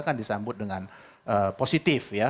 kan disambut dengan positif ya